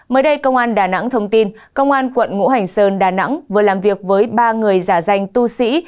mới đây công an đà nẵng thông tin công an quận ngũ hành sơn đà nẵng vừa làm việc với ba người giả danh tu sĩ